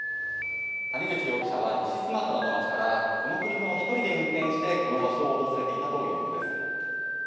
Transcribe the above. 谷口容疑者は西スマトラの町から、この車を１人で運転して、この場所を訪れていたということです。